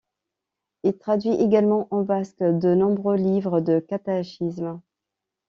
Il traduit également en basque de nombreux livres de catéchisme.